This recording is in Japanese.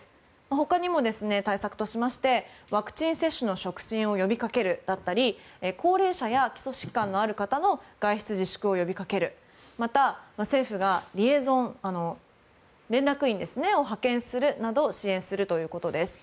ほかにも対策としましてワクチン接種の促進を呼びかけるだったり高齢者や基礎疾患のある方の外出自粛を呼びかけるまた、政府がリエゾン、連絡員ですねそれを派遣するなど支援するということです。